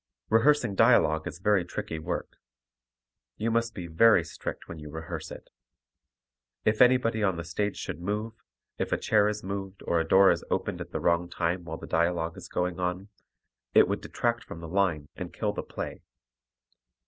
Rehearsing dialogue is very tricky work. You must be very strict when you rehearse it. If anybody on the stage should move, if a chair is moved or if a door is opened at the wrong time while the dialogue is going on, it would detract from the line and kill the play.